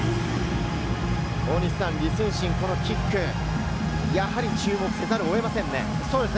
李承信のキック、やはり注目せざるを得ませんね。